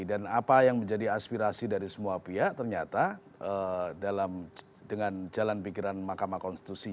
dan apa yang menjadi aspirasi dari semua pihak ternyata dalam dengan jalan pikiran makam konstitusi